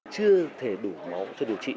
chưa thể đủ máu cho điều trị